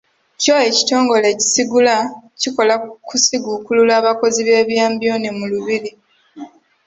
Kyo ekitongole ekisigula kikola ku kusiguukulula abakozi by’ebyambyone mu Lubiri.